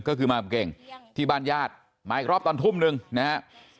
ก็คือมากับเก่งที่บ้านญาติมาอีกรอบตอนทุ่มหนึ่งนะฮะ